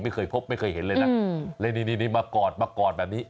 ไม่เคยพบไม่เคยเห็นเลยนะแล้วนี่มากอดมากอดแบบนี้